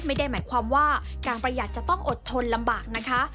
ไม่ได้หมายความว่าการประหยัดจะต้องอดทนลำบากนะคะ